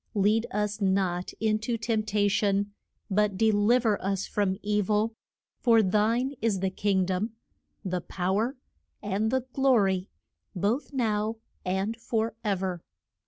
Lead us not in to temp ta tion but de liv er us from e vil, for thine is the king dom, the pow er, and the glo ry, both now and for ev er.